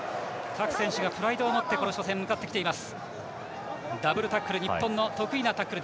各選手がプライドを持ってこの初戦を戦っています。